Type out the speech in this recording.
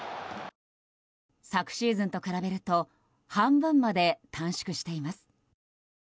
昨シーズンと比べると半分まで短縮しています。